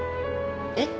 えっ？